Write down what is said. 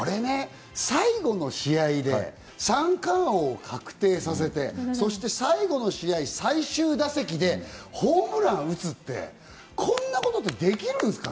最後の試合で三冠王を確定させて、そして最後の試合、最終打席でホームランを打つって、こんなことってできるんですか？